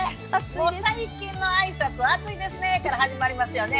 もう最近の挨拶は「暑いですね」から始まりますよね。